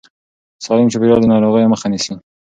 سالم چاپېريال د ناروغیو مخه نیسي.